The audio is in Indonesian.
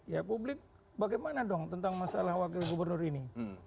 ya publik bagaimana dong tentang masalah wakil gubernur ini